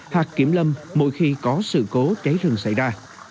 hạt kiểm lâm mỗi khi có sự cố cháy rừng xảy ra